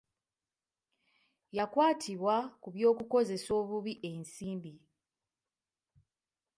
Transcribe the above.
Yakwatibwa ku by'okukozesa obubi ensimbi.